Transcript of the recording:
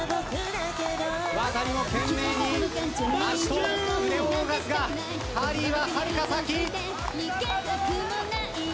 ワタリも懸命に足と腕を動かすがハリーははるか先。